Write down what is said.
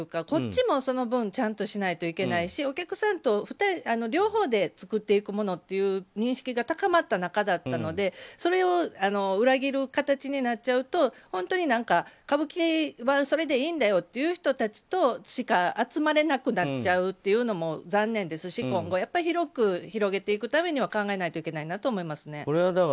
こっちもその分ちゃんとしないといけないしお客さんと両方で作っていくものという認識が高まった中だったのでそれを裏切る形になっちゃうと本当に歌舞伎はそれでいいんだよって言う人たちしか集まれなくなっちゃうというのも残念ですし、今後広く広げていくためには考えないといけないと思います。